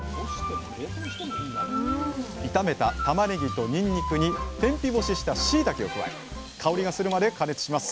炒めたタマネギとにんにくに天日干ししたしいたけを加え香りがするまで加熱します